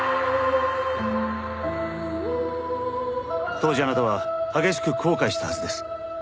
当時あなたは激しく後悔したはずです。